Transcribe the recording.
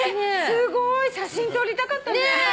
すごい！写真撮りたかったね。